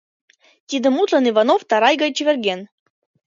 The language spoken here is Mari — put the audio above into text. Тиде мутлан Иванов тарай гай чеверген.